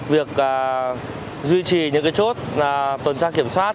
việc duy trì những cái chốt là tuần tra kiểm soát